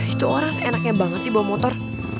itu orang seenaknya banget sih bawa motor